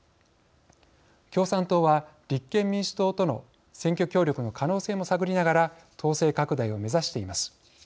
共産党は、立憲民主党との選挙協力の可能性も探りながら党勢拡大を目指しています。